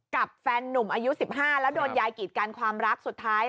กับแฟนนุ่มอายุ๑๕แล้วโดนยายกีดกันความรักสุดท้าย